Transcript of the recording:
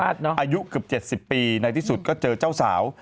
อายุเกือบ๗๐ปีในที่สุดก็เจอเจ้าสาว